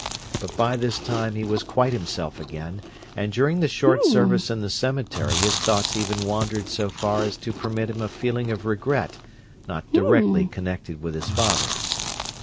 But by this time he was quite himself again, and during the short service in the cemetery his thoughts even wandered so far as to permit him a feeling of regret not directly connected with his father.